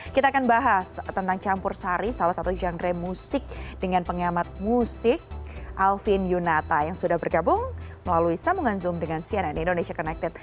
kita akan bahas tentang campur sari salah satu genre musik dengan pengamat musik alvin yunata yang sudah bergabung melalui sambungan zoom dengan cnn indonesia connected